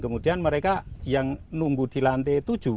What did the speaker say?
kemudian mereka yang nunggu di lantai tujuh